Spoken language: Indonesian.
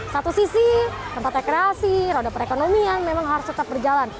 satu sisi tempat rekreasi roda perekonomian memang harus tetap berjalan